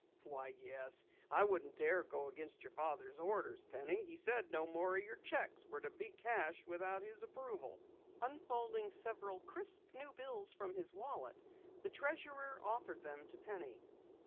"Why, yes. I wouldn't dare go against your father's orders, Penny. He said no more of your checks were to be cashed without his approval." Unfolding several crisp new bills from his wallet, the treasurer offered them to Penny.